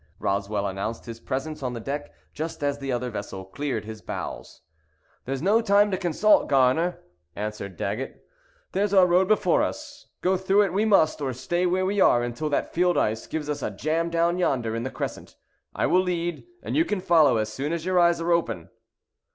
Roswell announced his presence on deck just as the other vessel cleared his bows. "There's no time to consult, Gar'ner," answered Daggett. "There's our road before us. Go through it we must, or stay where we are until that field ice gives us a jam down yonder in the crescent. I will lead, and you can follow as soon as your eyes are open."